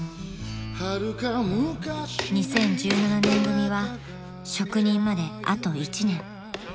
［２０１７年組は職人まであと１年］